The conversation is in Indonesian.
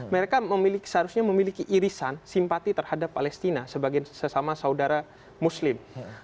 mereka seharusnya memiliki irisan simpati terhadap palestina sebagai sesama saudara muslim